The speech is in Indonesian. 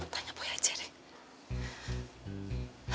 tanya boy aja deh